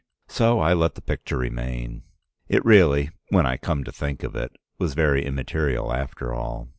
So I let the picture remain. It really, when I came to think of it, was very immaterial after all.